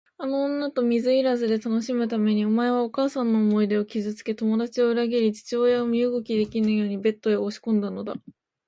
あの女と水入らずで楽しむために、お前はお母さんの思い出を傷つけ、友だちを裏切り、父親を身動きできぬようにベッドへ押しこんだのだ。